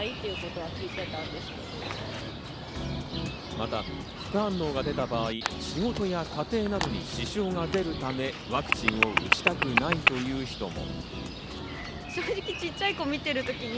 また副反応が出た場合、仕事や家庭などに支障が出るためワクチンを打ちたくないという人も。